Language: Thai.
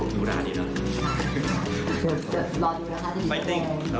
ดูแล้วดินะ